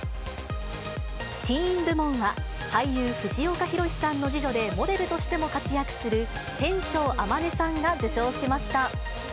ティーン部門は、俳優、藤岡弘、さんの次女で、モデルとしても活躍する天翔天音さんが受賞しました。